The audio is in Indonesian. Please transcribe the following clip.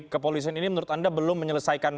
kepolisian ini menurut anda belum menyelesaikan